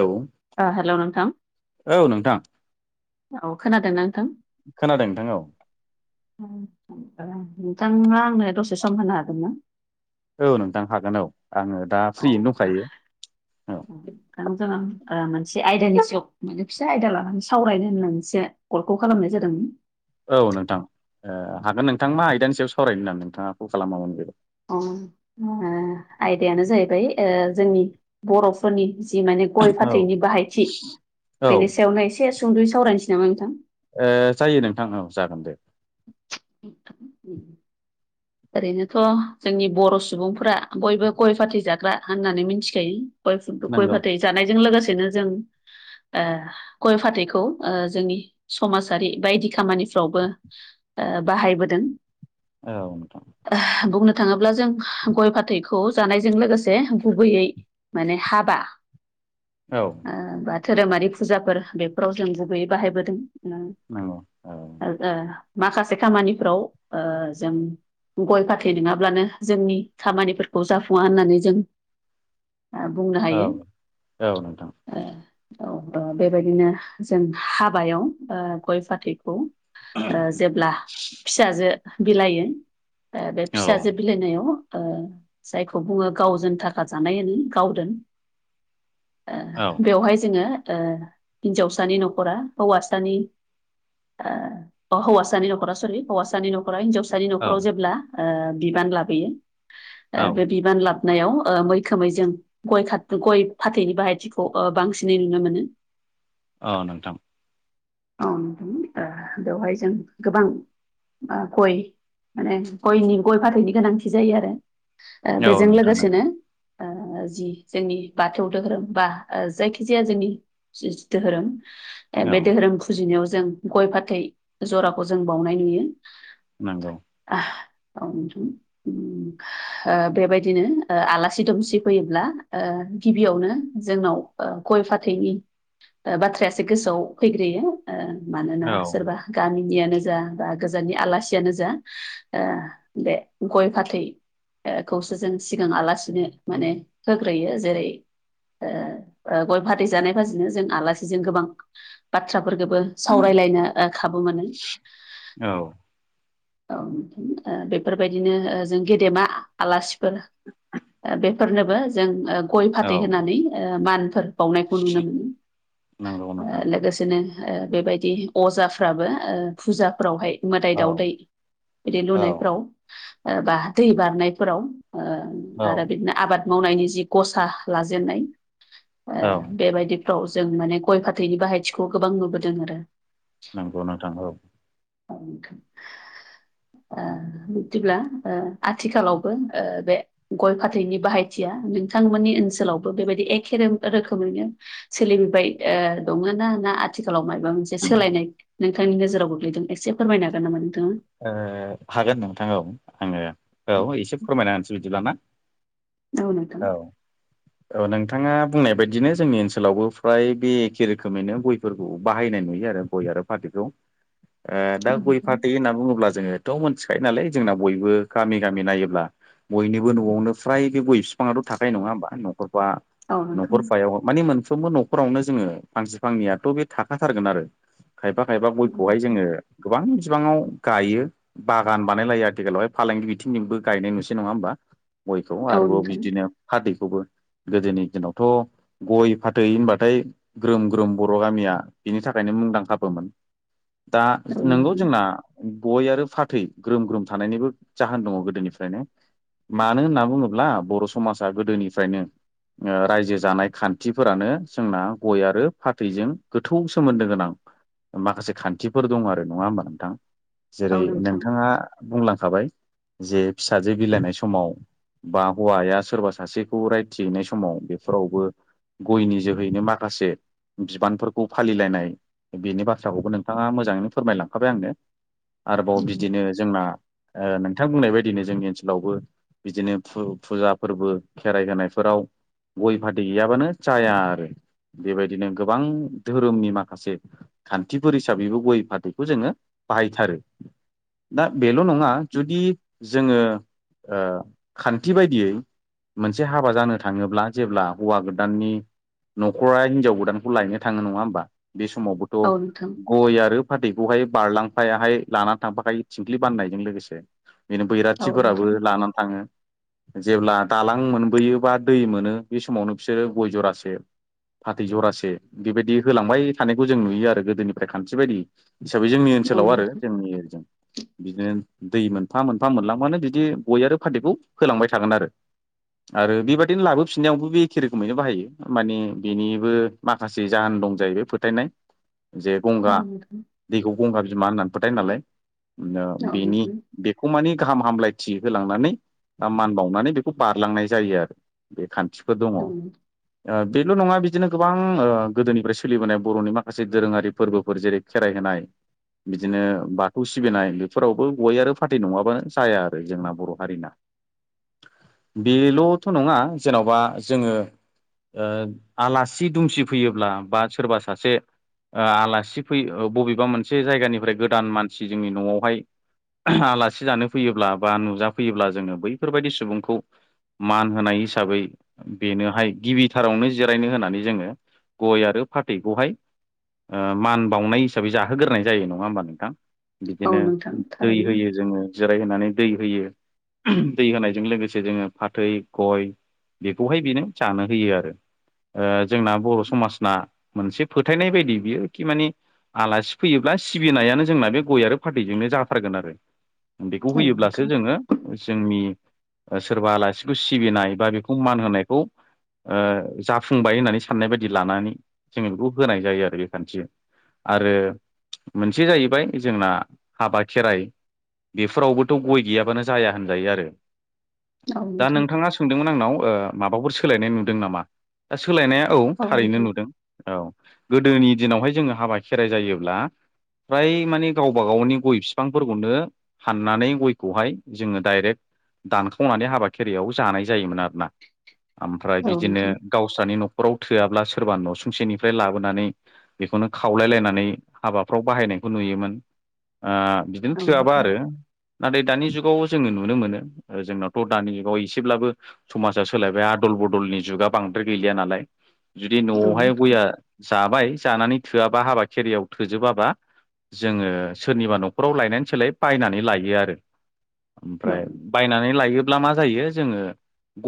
औ। ओ हेल' नोंथां औ नोंथां औ खोनादोंना नोंथां। खोनादों नोंथां औ। नोंथाङा आंनो दसे सम होनो हागोन ना? औ नोंथां हागोन औ आङो दा फ्रियैनो अ दंखायो औ। [unintelligible] ओ मोनसे आयदानि सायाव मोनाने फिसा आयदा लानानै सावरायनो होननानै मोनसो कलखौ खालामनाय जादोंमोन। औ नोंथां। ओ हागोन नोंथां मा आयदानि सायाव सावरायनो नामा नोंथाङा कल खालामामोन बेबा अ आ आयदायानो जाहैबाय जोंनि बर'फोरनि जि माने गय - फाथैनि औ बाहायथि बेनि ओ सायावनो एसे सुंद'यै सावरायनोसै नामा नोंथां। ओ जायो नोंथां औ जागोन दे। ओरैनोथ' जोंनि बर' सुबुंफोरा बयबो गय फाथै जाग्रा होननानै मिनथिखायो। [unintelligible] गय नंगौ फाथै जानायजों लोगोसेनो जों। ओ गय फाथैखौ ओ जोंनि समाजारि बायदि खामानिफ्रावबो। ओ बाहायबोदों। औ नोंथां। ओ बुंनो थाङोब्ला जों गय जानायजों लोगोसे गुबैयै। माने हाबा। औ। ओ बा धोरोमारि फुजाफोर बेफोराव जों गुबैयै बाहायबोदों ओ नोंगौ औ ओ माखासे खामानिफ्राव ओ जों गय फाथै नोङाब्लानो जोंनि खामानिफोरखौ जाफुङा होननानै जों ओ बुंनो औ हायो। औ नोंथां ओ औ ओ बेबायदिनो जों हाबायाव ओ गय फाथैखौ ओ जेब्ला फिसाजो बिलाइ ओ बे औ फिसाजो बि बिलायनायाव ओ जायखौ बुङो गावजों थाखा जानायहोनो गावदोन ओ औ बेवहाय जोङो ओ हिन्जावसानि नखरा हौवासानि ओ हौवासानि नखरा सरि हौवासानि नखरा हिनजावसानि औ नखराव जेब्ला ओ बिबान लाबोयो औ ओ बे बिबान लाब नायाव ओ मैखोमै जों गय खा गय फाथैनि बाहायथिखौ बांसिनै नुनो मोनो। [inaudible] औ नोंथां औ नुदों ओ बेवहाय जों गोबां ओ गय माने गयनि गय फाथैनि गोनांथि जायो आरो ओ औ बेजों नोंथां नंगौ लोगोसेनो ओ जि जोंनि बाथौ धोहोरोम बा जायखि जाया जोंनि जि धोरोम औ बे धोरोम फुजिनायाव जों गय फाथै जराखौ जों बावनाय नुयो। नोंगौ। - औ नोंथां ओ बेबायदिनो ओ आलासि दुमसि फैयोब्ला ओ गिबियावनो जोंनाव ओ गय फाथैनि बाथ्रायासो गोसोआव फैग्रोयो। ओ मानोना औ सोरबा गामिनियानो जा बा गोजाननि आलासियानो जा जा ओ बे गय फाथै। ओ खौसो जों सिगाङ आलासिनो माने होग्रोयो जेरै ओ गय फाथै जानाय फाजिनो जों आलासिजों गोबां बाथ्राफोरखौबो सावरायलायनो खाबु मोनो। औ औ ओ बेफोरबायदिनो जों ओ गेदेमा आलासिफोर ओ बेफोरनोबो जों ओ गय औ फाथै होनानै ओ मानफोर होनानौ बावनायखौ नुनो नंगौ मोनो ओ नोंथां लोगोसेनो ओ बेबायदि अजाफ्राबो ओ फुजाफ्रावहाय मोदाय औ दावदै बिदि औ लुनायफोराव ओ बा दै बारनायफोराव ओ औ आरो बिदिनो आबाद मावनायनि जि गसा लाजेननाय ओ औ बेबायदि औ जों माने गय फाथैनि बाहायथिखौ गोबां नुबोदों आरो। नोंगौ नोंथां औ। औ नोंथां ओ बिदिब्ला ओ आथिखालावबो ओ बे गय फाथैनि बाहायथिया नोंथांमोननि ओनसोलावबो बेबायदि एखे रो रोखोमैनो सोलिबाय ओ दङो ना ना आथिखालाव माय माबा मोनसे सोलायनाय नोंथांनि नोजोराव गोग्लैदों एसे फोरमायनो होगोन नामा नोंथाङा? ओ हागोन नोंथां औ आङो औ एसे फोरमायना होनसै बिदिब्लाना औ। औ नोंथाङा बुंनाय बायदिनो जोंनि ओनसोलावबो फ्राय बे एखे रोखोमैनो गय फोरखौ बाहायनाय नुयो आरो गय आरो फाथैखौ [inaudible] ओ दा गय फाथै होना बुङोब्ला जोङोथ' मिथिखायो नालाय जोंना बयबो गामि गामि नायोब्ला बयनिबो न'आवनो फ्राय गय बिफाङाथ' थाखायो नङा होमबा न'खरबा औ न'खर नोंथां औ नोंथां फायाव मानि मोनफ्रोमबो न'खरावनो जोङो फांसे फांनैयाथ' बे थाखाथारगोन आरो खायफा खायफा गयखौहाय जोङो गोबां बिबाङाव गायो बागान बानायलायो आथिखालावहाय फालांगि बिथिंजोंबो गायनाय नुसै नङा होमबा? गयखौ औ आरोबाव नोंथां बिदिनो फाथैखौबो गोदोनि दिनावथ' गय फाथै होनबाथाय ग्रोम ग्रोम बर' गामिया बिनि थाखायनो मुंदांखाबोमोन दा औ नोंगौ नोंथां जोंना गय आरो फाथै ग्रोम ग्रोम थानायनिबो जाहोन दङ गोदोनिफ्रायनो मानो होनना बुङोब्ला बर' समाजा गोदोनिफ्रायनो ओ रायजो जानाय खान्थिफोरानो जोंना गय आरो फाथैजों गोथौ सोमोन्दो गोनां। माखासे खान्थिफोर दं आरो नङा होमबा नोंथां‌। औ जेरै नोंथां नोंथाङा बुंलांखाबाय जे फिसाजो बिलाइनाय समाव बा हौवाया सोरबा सासेखौ रायथिहैनाय समाव बेफोरावबो गयनि जोहैनो माखासे बिबान फोरखौ फालिलायनाय बेनि बाथ्राखौबो नोंथाङा मोजाङैनो फोरमायलांखाबाय आंनो। आरोबाव उम बिदिनो जोंना ओ नोंथां बुंनाय बायदिनो जोंनि ओनसोलावबो बिदिनो फु फुजा फोरबो खेराइ होनायफोराव गय फाथै गैयाबानो जाया आरो। बेबायदिनो गोबां धोरोमनि माखासे खान्थिफोर हिसाबैबो गय फाथैखौ जोङो। बाहायथारो दा बेल' नङा जुदि जोङो ओ खान्थि बायदियै मोनसे हाबा जानो थाङोब्ला जेब्ला हौवा गोदाननि न'खरा हिनजाव गोदानखौ लायनो थाङो नङा होमबा बे समावबो थ औ नोंथां गय आरो फाथैखौहाय बारलां फायाहाय लानानै थांफाखायो थिंख्लि बाननायजों लोगोसे बिनो औ नोंथां बैराथिफोराबो लानानै थाङो। जेब्ला दालां मोनबोयो बा दै मोनो बे समावनो बिसोरो गय जरासे फाथै जरासे बेबायदि होलांबाय थानायखौ जों नुयो आरो गोदोनिफ्राय खानथि बायदि हिसाबै जोंनि औ ओनसोलाव आरो नोंथां जोंनि ओजों बिदिनो दै मोनफा मोनफा मोनलांबानो बिदि गय आरो फाथैखौ फोलांबाय थागोन आरो आरो बेबायदिनो लाबो फिन्नायावबो बे एखे रोखोमैनो बाहायो। मानि बेनिबो माखासे जाहोन दं जाहैबाय फोथायनाय। जे गंगा औ नोंथां दैखौ गंगा बिमा होननानै फोथाय नालाय ओ औ बेनि नोंथां बे बेखौ मानि गाहाम हामलायथि होलांनानै मान बावनानै बेखौ बारलांनाय जायो आरो। बे खान्थिफोर दङ। औ नोंथां ओ बेल' नङा बिदिनो गोबां ओ गोदोनिफ्राय सोलिबोनाय बर'नि माखासे दोरोङारि फोरबोफोर जेरै खेराइ होनाय बिदिनो बाथौ सिबिनाय बेफोरावबो गय आरो फाथै नङाबानो जाया आरो जोंना बर' हारिना। [inaudible] बेल'थ' नङा जेन'बा जोङो ओ आलासि दुमसि फैयोब्ला बा सोरबा सासे ओ आलासि फैयो बबेबा मोनसे जायगानिफ्राय गोदान मानसि जोंनि न'आवहाय आलासि जानो फैयोब्ला बा नुजाफैयोब्ला जोङो बैफोरबायदि सुबुंखौ मान होनाय हिसाबै बेनोहाय गिबिथारावनो जिरायनो होनानै जोङो गय आरो फाथैखौहाय ओ मान बावनाय हिसाबै जाह होग्रोनाय जायो नङा होमबा नोंथां औ बिदिनो नोंथां दै थारैनो होयो जोङो। जिरायहोनानै दै होयो दै होनायजों लोगोसे जोङो फाथै गय बेखौहाय बेनो जानो होयो आरो। ओ जोंना बर' समाजना मोनसे फोथायनाय बायदि बियोखि माने आलासि फैयोब्ला सिबिनायानो जोंना बे गय आरो फाथैजोंनो जाथारगोन आरो। बेखौ औ होयोब्लासो नोंथां जोङो जोंनि ओ सोरबा आलासिखो सिबिनाय बा बेखौ मान होनायखौ ओ जाफुंबाय होननानै साननाय बायदि लानानै जोङो बेखौ होनाय जायो आरो बे खान्थिजों। आरो मोनसे जाहैबाय जोंना हाबा खेराइ बेफोरावबोथ' गय गैयाबानो जाया होनजायो आरो। औ दा नोंथां नोंथाङा सोंदोंमोन आंनाव ओ माबाफोर सोलायनाय नुदों नामा दा सोलायनाया औ थारैनो नुदों गोदोनि दिनावहाय जोङो हाबा खेराइ जायोब्ला फ्राय माने गावबा गावनि गय बिफांफोरखौनो हाननानै गयखौहाय जोङो डाइरेक्ट दानखावनानै हाबा खेराइयाव जानाय जायोमोन आरोना ओमफ्राय औ बिदिनो नोंथां गावस्रानि न'खराव थोयाब्ला सोरबा न'सुंसेनिफ्राय लाबोनानै बेखौनो खावलायलायनानै हाबाफ्राव बाहायनायखौ नुयोमोन ओ बिदिनो औ थोआबा नोंथां आरो। नाथाय दानि जुगाव जोङो नुनो मोनो ओ जोंनावथ' दानि जुगाव एसेब्लाबो समाजा सोलायबाय आदल बदलनि जुगा बांद्राय गैलिया नालाय। जुदि औ न'आवहाय नोंथां गयआ जाबाय जानानै थोआबा हाबा खेराइयाव थोजोबाबा जोङो सोरनिबा न'खराव लायनानै सोलाय बायनानै लायो आरो। औ ओमफ्राय नोंथां बायनानै लायोब्ला मा जायो जोङो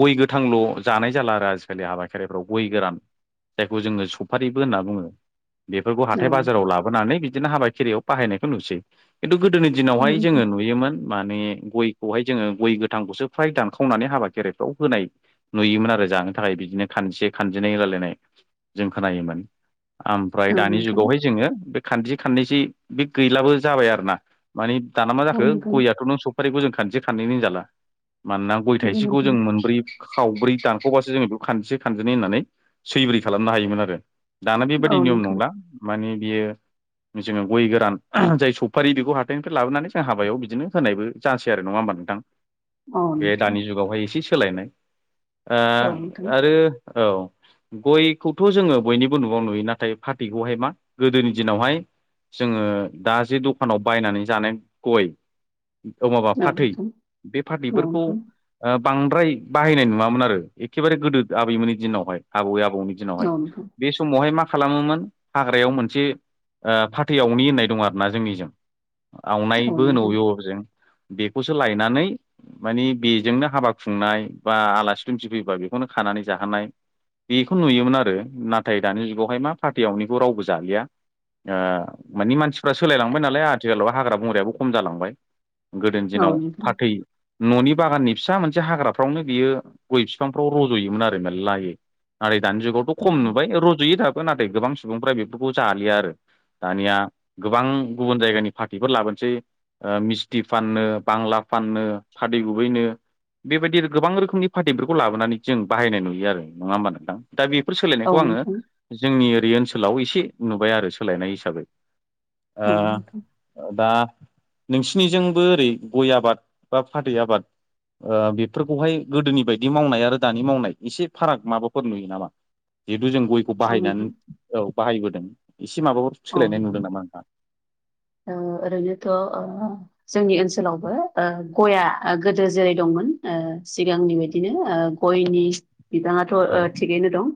गय गोथांल' जानाय जाला आरो आजिखालि हाबा खेराइफ्राव गय गोरान जायखौ जोङो सफारिबो होनना बुङो। बेफोरखौ औ नोंथां हाथाय औ बाजाराव लाबोनानै बिदिनो हाबा खेराइयाव बाहायनायखौ नुसै खिन्थु गोदोनि दिनावहाय नोंथां जोङो नुयोमोन माने गयखौहाय जोङो गय गोथांखौसो फ्राय दानखावनानै हाबा खेराइफ्राव होनाय नुयोमोन आरो जानो थाखाय बिदिनो खानजे खानजिनै होलायनाय जों खोनायोमोन। ओमफ्राय नंगौ दानि नोंथां जुगावहाय जोङो बे खानजि खाननैसि बे गैलाबो जाबाय आरोना। माने दाना मा औ जाखो नोंथां गयाथ' नों सफारिखौ जों खानदिसे खानदिनै जाला मानोना गय थाइसेखौ जों मोनब्रै खावब्रै दानख'बासो बेखौ खानजिसे खानजिनै होननानै सैब्रै खालामनो हायोमोन आरो। दाना बेबायदि औ नियम नोंथां नंला माने बियो जोङो गय गोरान [unintelligible] जाय सफारि बेखौ हाथाइनिफ्राय लाबोनानै जों हाबायाव बिदिनो होनायबो जासै आरो नङा होमबा नोंथां बे दानि जुगावहाय एसे सोलायनाय। ओ औ नोंथां औ नोंथां औ नोंथां औ नोंथां आरो औ गयखौथ' जोङो बयनिबो न'आव नुयो नाथाय फाथैखौहाय मा गोदोनि दिनावहाय जोङो दा जे दखानाव बायनानै जानाय गय औ माबा फाथै बे फाथैफोरखौ ओ बांद्राय बाहायनाय नुवामोन आरो एखेबारे गोदो आबैमोननि दिनावहाय आबौै आबौनि दिनावहाय बे समावहाय मा खालामोमोन फ्रायाव मोनसे ओ फाथैयावनि होननाय दं आरोना जोंनिजों। औ नोंथां औ नोंथां औ नोंथां औ आवनायबो होनो अबे नोंथां अबेजों बेखौसो लायनानै माने बेजोंनो हाबा खुंनाय बा आलासि दुमसि फैबा बेखौनो खानानै जाहोनाय। बेखौ नुयोमोन आरो नाथाय दानि जुगावहाय मा फाथैयावनिखौ रावबो जालिया ओ माने मानसिफ्रा सोलायलांबाय नालाय आथिखालाव हाग्रा बंग्रायाबो खम जालांबाय। गोदोनि दिनाव फाथै न'नि बागाननि फिसा मोनसे हाग्राफ्रावनो बियो गय बिफांफ्राव रज'योमोन आरो मेरलायै। आरो दानि जुगावथ' खम नुबाय रज'यो दाबो नाथाय गोबां सुबुंफ्रा बेफोरखौ जालिया आरो। दानिया गोबां गुबुन जायगानि फाथैफोर लाबोनोसै। ओ मिस्थि फाननो बांला फाननो फाथै गुबैनो। बेबायदि गोबां रोखोमनि फाथैफोरखौ लाबोनानै जों बाहायनाय नुयो आरो नङा होमबा नोंथां? दा बेफोर सोलायनायखौ आङो जोंनि ओरै ओनसोलाव एसे नुबाय आरो सोलायनाय हिसाबै। औ ओ। दा नोंसिनिजोंबो ओरै गय आबाद बा फाथै आबाद ओ बेफोरखौहाय गोदोनि बायदि मावनाय आरो दानि मावनाय एसे फाराग माबाफोर नुयो नामा? जिहेतु जों गयखौ बाहायनानै नोंथां औ बाहायबोदों इसे माबाफोर अ सोलायनाय नुदों नामा नोंथां औ ओरैनोथ' ओ औ जोंनि ओनसोलावबो ओ गया गोदो जेरै दंमोन ओ सिगांनि बायदिनो ओ गयनि। बिबाङाथ' औ थिगैनो दं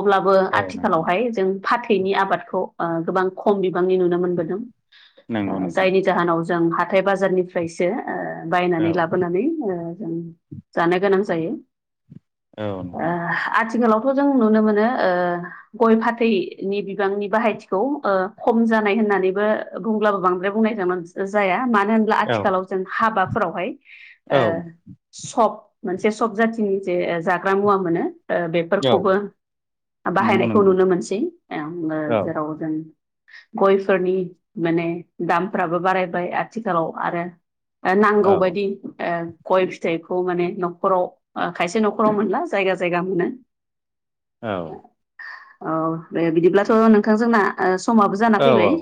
अब्लाबो औ नोंथां आथिखालावहाय जों फाथैनि आबादखौ ओ गोबां खम बिबांनि नुनो मोनबोदों नंगौ ओ नोंथां जायनि जाहोनाव जों हाथाय बाजारनि फ्रायसो ओ औ बायनानै लाबोनानै ओ जों जानो गोनां जायो। औ ओ नोंथां आथिखालाव खौ जों नुनो मोनो ओ गय फाथैनि बिबांनि बाहायथि। खौ ओ खम जानाय होननानैबो बुंब्लाबो बांद्राय बुंनाय जामोन जाया मानो होन ब्ला औ आथिखालाव जों हाबाफोरावहाय ओ औ सब मोनसे सब जाथिनि जे जाग्रा मुवा मोनो। ओ औ बेफोरखौबो नंगौ बाहायनायखौ नंगौ नुनो मोनसै एव बो औ जेराव जों। गयफोरनि माने दामफ्राबो बारायबाय आथिखालाव आरो दा औ नांगौबायदि ओ। गय फिथाइखौ माने न'खराव ओ खायसे न'खराव मोनला जायगा जायगा मोनो। औ। औ दे बिदिब्लाथ' नोंथां जोंना ओ समाबो जा औ औ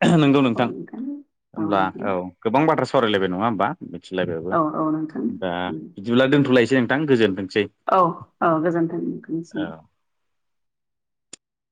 [unintelligible] नोंगौ नोंथां होनब्ला औ गोबां बाथ्रा सावरायलायबाय नङा होमबा? मिथिलायबायबो औ औ नोंथां दा बिदिब्ला दोनथ'लायसै नोंथां गोजोनथोंसै। औ औ गोजोन्थों नोंथांनिसिम। औ